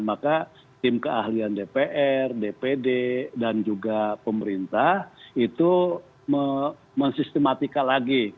maka tim keahlian dpr dpd dan juga pemerintah itu mensistematika lagi